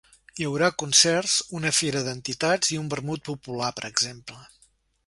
Hi haurà concerts, una fira d’entitats i un vermut popular, per exemple.